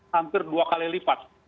hampir dua kali lipat